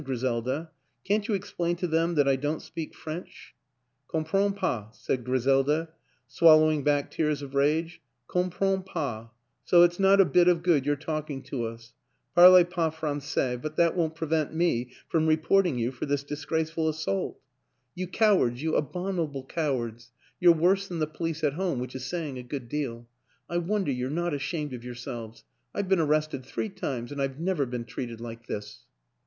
Griselda, can't you explain to them that I don't speak French?" " Comprends pas," said Griselda, swallowing back tears of rage. " Comprends pas so it's not a bit of good your talking to us. Parlez pas frangais but that won't prevent me from re porting you for this disgraceful assault. You WILLIAM AN ENGLISHMAN 85 cowards you abominable cowards! You're worse than the police at home, which is saying a good deal. I wonder you're not ashamed of yourselves. I've been arrested three times and I've never been treated like this."